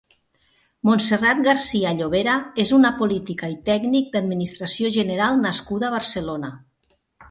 Montserrat García Llovera és una política i tècnic d'administració general nascuda a Barcelona.